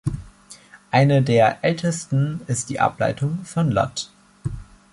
Eine der ältesten ist die Ableitung von "lat.